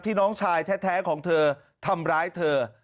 น้องชายแท้ของเธอทำร้ายเธอ